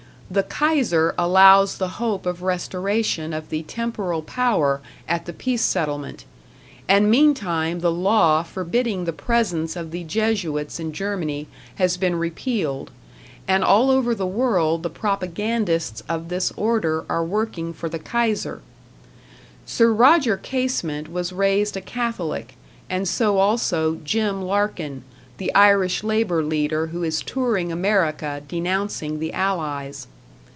The Kaiser allows the hope of restoration of the temporal power at the peace settlement; and meantime the law forbidding the presence of the Jesuits in Germany has been repealed, and all over the world the propagandists of this order are working for the Kaiser. Sir Roger Casement was raised a Catholic, and so also "Jim" Larkin, the Irish labor leader who is touring America denouncing the Allies.